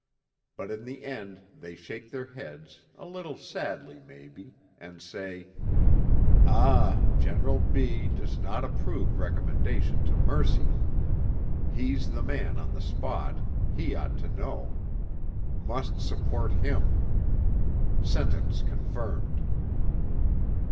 But in the end they shake their heads, a little sadly, maybe, and say, 'Ah, General B does not approve recommendation to mercy. He's the man on the spot, he ought to know. Must support him. Sentence confirmed.'